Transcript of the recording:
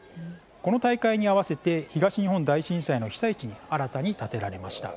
この大会に合わせて東日本大震災の被災地に新たに建てられました。